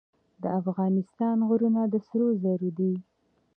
د افغانستان غرونه د سرو زرو دي